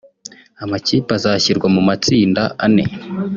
Amakipe azashyirwa mu matsinda ane